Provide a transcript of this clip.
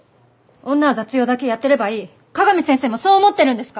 女は雑用だけやってればいい香美先生もそう思ってるんですか？